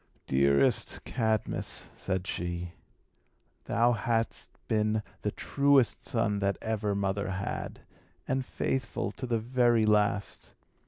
"Dearest Cadmus," said she, "thou hast been the truest son that ever mother had, and faithful to the very last.